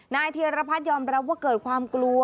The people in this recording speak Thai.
เทียรพัฒน์ยอมรับว่าเกิดความกลัว